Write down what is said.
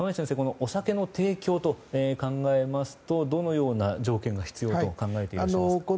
お酒の提供と考えますとどのような条件が必要と考えていらっしゃいますか。